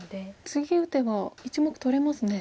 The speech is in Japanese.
次打てば１目取れますね。